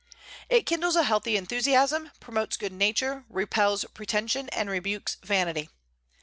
It kindles a healthy enthusiasm, promotes good nature, repels pretension, and rebukes vanity.